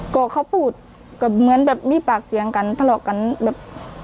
ก็เขาพูดก็เหมือนแบบมีปากเสียงกันทะเลาะกันแบบ